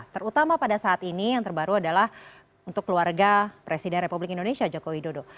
terutama pada saat ini yang terbaru adalah untuk keluarga presiden republik indonesia joko widodo